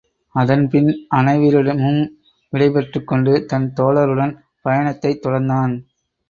அதன்பின் அனைவரிடமும் விடைபெற்றுக் கொண்டு தன் தோழருடன் பயணத்தைத் தொடர்ந்தான்.